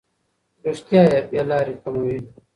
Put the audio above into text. رښتیا بې لارۍ کموي.